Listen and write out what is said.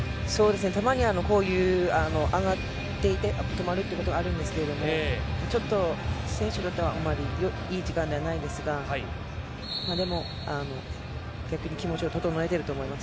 たまに上がっていて、止まるということはあるんですけれど、選手にとってはあまり良い時間ではないですが逆に気持ちを整えていると思います。